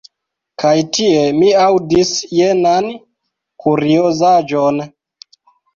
Kaj tie mi aŭdis jenan kuriozaĵon.